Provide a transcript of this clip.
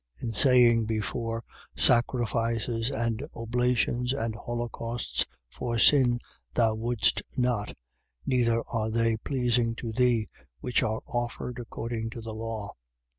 10:8. In saying before, Sacrifices, and oblations, and holocausts for sin thou wouldest not, neither are they pleasing to thee, which are offered according to the law.